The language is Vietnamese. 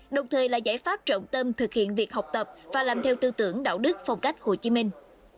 đồng thời là giải pháp trọng tâm thực hiện việc học tập và làm theo tư tưởng đạo đức phong cách hồ chí minh